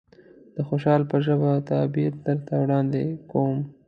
د خوشحال په ژبه تعبير درته وړاندې کوم.